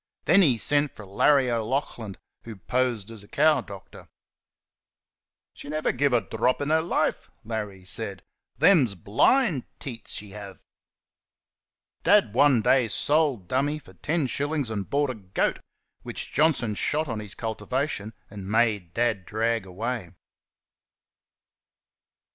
Then he sent for Larry O'Laughlin, who posed as a cow doctor. "She never give a drop in her life," Larry said. "Them's BLIND tits she have." Dad one day sold "Dummy" for ten shillings and bought a goat, which Johnson shot on his cultivation and made Dad drag away.